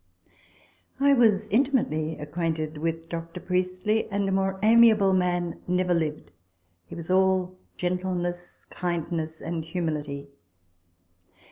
I was intimately acquainted with Dr. Priestley ; and a more amiable man never lived ; he was all gentleness, kindness, and humility.